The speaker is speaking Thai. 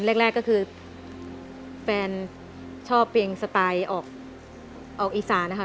แรกก็คือแฟนชอบเพลงสไตล์ออกอีสานนะคะ